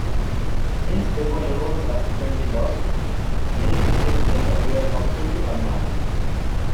Since paper labels are frequently lost, many pieces may appear completely unmarked.